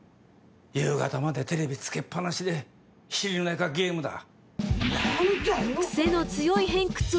夕方までテレビつけっ放しで昼寝かゲームだ。